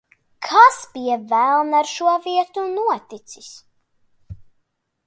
Kas, pie velna, ar šo vietu noticis?